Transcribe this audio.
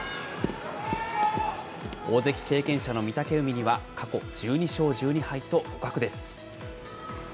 大関経験者の御嶽海には過去１２勝１２敗と互角です。